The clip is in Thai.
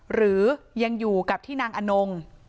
หรือยังอยู่กับที่นางอนง